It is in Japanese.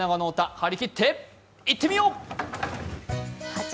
張り切っていってみよう！